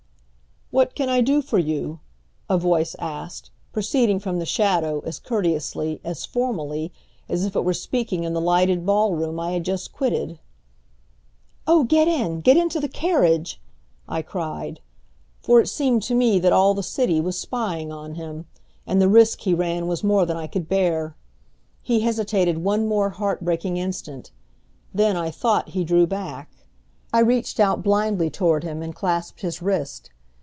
"What can I do for you?" a voice asked, proceeding from the shadow, as courteously, as formally, as if it were speaking in the lighted ball room I had just quitted. "Oh, get in, get into the carriage!" I cried, for it seemed to me that all the city was spying on him, and the risk he ran was more than I could bear. He hesitated one more heart breaking instant. Then, I thought, he drew back. I reached out blindly toward him and clasped his wrist.